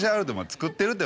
作ってるて。